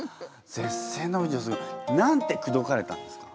絶世の美女何て口説かれたんですか？